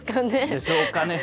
でしょうかね。